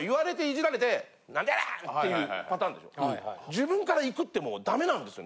自分から行くってもうダメなんですよ。